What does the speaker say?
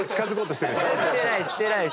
してないしてないしてない。